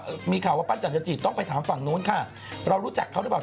เออมีข่าวว่าปั้นจังจะจีบต้องไปถามฝั่งโน้นค่ะเรารู้จักเขาได้บอก